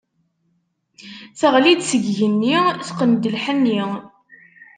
Teɣli-d seg igenni, teqqen-d lḥenni.